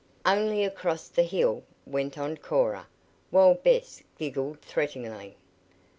"Only across the hill," went on Cora, while Bess giggled threateningly.